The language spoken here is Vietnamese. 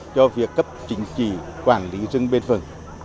cho việc cấp chính trị quản lý rừng bền vận